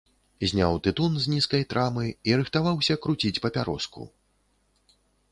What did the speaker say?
Зняў тытун з нізкай трамы і рыхтаваўся круціць папяроску.